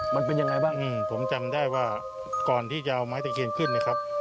มันเป็นยังไงบ้างผมจำได้ว่าก่อนที่จะเอาไม้ตะเคียนขึ้นเนี่ยครับ